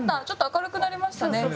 ちょっと明るくなりましたね。